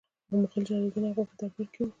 د مغول جلال الدین اکبر په دربار کې و.